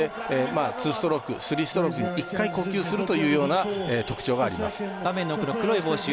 ツーストロークスリーストロークに１回呼吸するというような特徴があります。